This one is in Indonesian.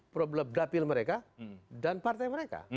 problem dapil mereka dan partai mereka